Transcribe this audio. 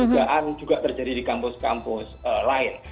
dugaan juga terjadi di kampus kampus lain